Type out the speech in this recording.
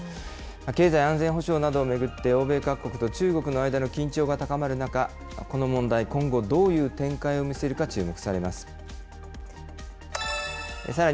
経済安全保障などを巡って欧米各国と中国の間の緊張が高まる中、この問題、今後、どういう展開を見せるか注目されます。